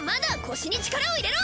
腰に力を入れろ！